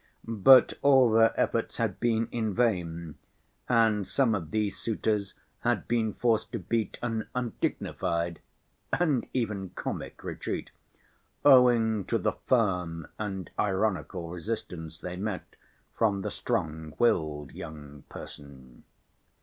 But all their efforts had been in vain and some of these suitors had been forced to beat an undignified and even comic retreat, owing to the firm and ironical resistance they met from the strong‐willed young person.